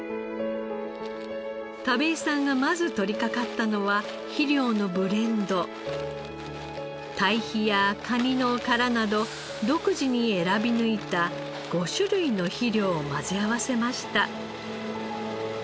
田部井さんがまず取りかかったのは堆肥やカニの殻など独自に選び抜いた５種類の肥料を混ぜ合わせました。